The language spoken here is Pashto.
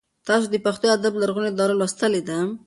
تاسو د پښتو ادب لرغونې دوره لوستلې ده؟